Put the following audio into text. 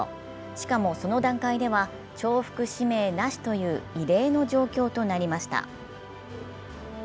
しかもその段階では、重複指名なしという異例の状況となりました。